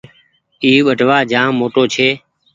اي ٻٽوآ جآم موٽو ڇي۔